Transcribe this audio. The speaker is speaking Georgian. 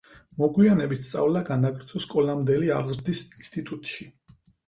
მოგვიანებით სწავლა განაგრძო სკოლამდელი აღზრდის ინსტიტუტში.